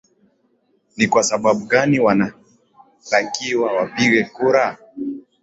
ni kwa sababu gani wanatakiwa wapige kura